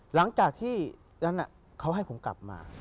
หลังจากที่นั้นเขาให้ผมกลับมา